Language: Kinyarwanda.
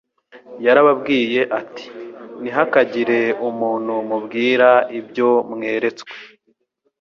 Yarababwiye ati: "Ntihakagire umuntu mubwira ibyo mweretswe,